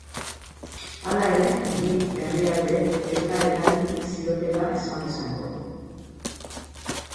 Hala ere, bi herrialdeek elkar eragin ziotela esan dezakegu.